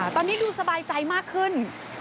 ตอนนี้ดูสบายใจมากขึ้น